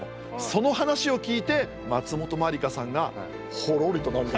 その話を聞いて松本まりかさんがほろりと涙する。